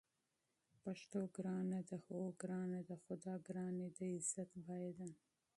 پښتو ګرانه ده؟ هو، ګرانه ده؛ خو دا ګرانی د عزت بیه ده